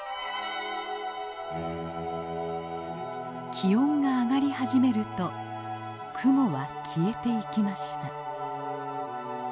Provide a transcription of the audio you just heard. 気温が上がり始めると雲は消えていきました。